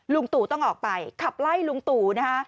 ตู่ต้องออกไปขับไล่ลุงตู่นะฮะ